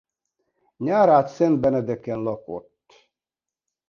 Nyárád-Szent-Benedeken lakott.